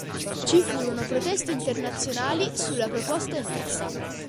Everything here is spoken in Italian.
Ci furono proteste internazionali sulla proposta emersa.